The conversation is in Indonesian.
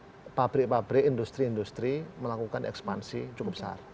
karena pabrik pabrik industri industri melakukan ekspansi cukup besar